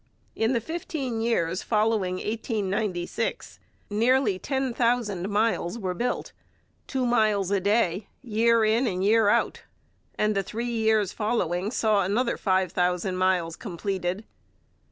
In the fifteen years following 1896 nearly ten thousand miles were built, two miles a day, year in and year out, and the three years following saw another five thousand miles completed.